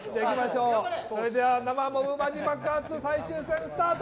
それでは生ボムマジ爆発最終戦スタート！